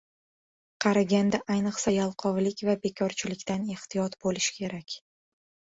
Qariganda ayniqsa yalqovlik va bekorchilikdan ehtiyot bo‘lish kerak.